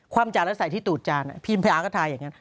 ความจานแล้วใส่ที่ตูดจานพิมพยาก็ทายอย่างนั้น